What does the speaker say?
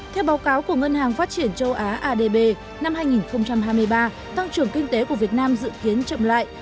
theo báo cáo của ngân hàng phát triển châu á adb năm hai nghìn hai mươi ba tăng trưởng kinh tế của việt nam dự kiến chậm lại